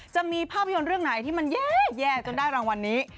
จะมีภาพยนตร์เรื่องไหนที่มันแย่จนได้รางวัลนี้